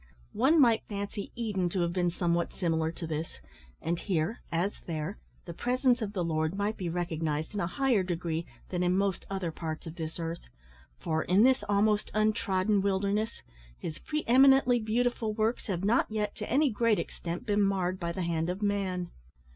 One might fancy Eden to have been somewhat similar to this, and here, as there, the presence of the Lord might be recognised in a higher degree than in most other parts of this earth, for, in this almost untrodden wilderness, His pre eminently beautiful works have not yet to any great extent been marred by the hand of man.